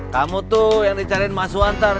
kamu tuh yang dicariin masuk antar